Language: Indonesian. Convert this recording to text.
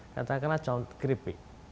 katakanlah contoh keripik